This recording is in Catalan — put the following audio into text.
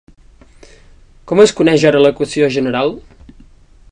Com es coneix ara l'equació general?